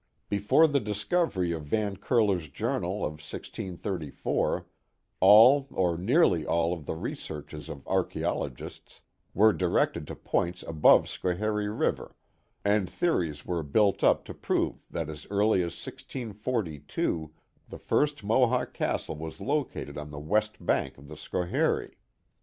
Before the discovery of Van Curler's journal of 1634, all or nearly all of the researches of archaeo logists were directed to points above Schoharie River, and theories were built up to prove that as early as 1642 the first Mohawk castle was located on the west bank of the Schoharie.